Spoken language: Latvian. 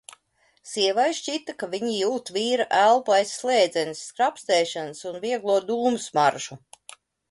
Sievai šķita, ka viņa jūt vīra elpu aiz slēdzenes skrapstēšanas un vieglo dūmu smaržu.